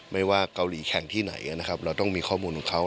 ไม่ว่าเกาหลีแข่งที่ไหนนะครับเราต้องมีข้อมูลของเขา